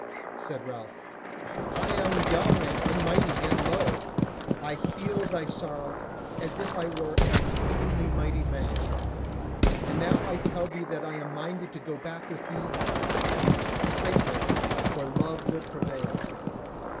Said Ralph: "I am young and unmighty, yet lo! I heal thy sorrow as if I were an exceeding mighty man. And now I tell thee that I am minded to go back with thee to Upmeads straightway; for love will prevail."